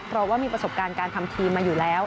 เพราะว่ามีประสบการณ์การทำทีมมาอยู่แล้ว